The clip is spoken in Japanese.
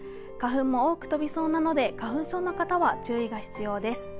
花粉も多く飛びそうなので、花粉症の人は注意が必要です。